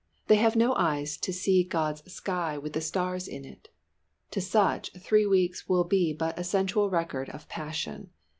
They have no eyes to see God's sky with the stars in it. To such "Three Weeks" will be but a sensual record of passion.